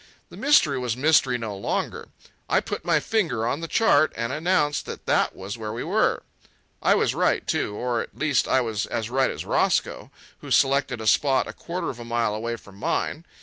The mystery was mystery no longer. I put my finger on the chart and announced that that was where we were. I was right too, or at least I was as right as Roscoe, who selected a spot a quarter of a mile away from mine.